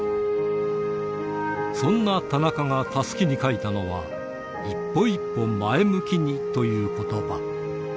そんな田中がたすきに書いたのは、一歩一歩前向きにということば。